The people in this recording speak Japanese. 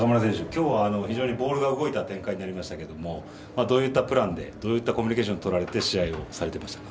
今日は非常にボールが動いた展開になりましたけれどもどういったプランでどういったコミュニケーションとられて試合をされてましたか？